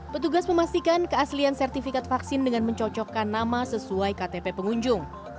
petugas memastikan keaslian sertifikat vaksin dengan mencocokkan nama sesuai ktp pengunjung